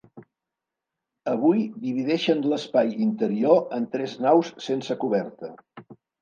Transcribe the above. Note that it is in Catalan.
Avui divideixen l'espai interior en tres naus sense coberta.